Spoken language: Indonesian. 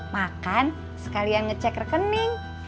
makan sekalian ngecek rekening